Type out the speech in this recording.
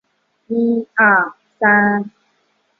应神天皇赐姓太秦氏。